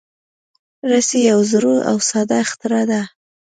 رسۍ یو زوړ او ساده اختراع ده.